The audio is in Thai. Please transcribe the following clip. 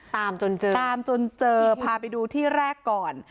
ตามจนเจอตามจนเจอพาไปดูที่แรกก่อน